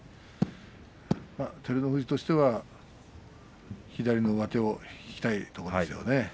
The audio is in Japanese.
照ノ富士としては左の上手を引きたいところですね。